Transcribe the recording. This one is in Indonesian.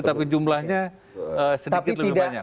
tapi jumlahnya sedikit lebih banyak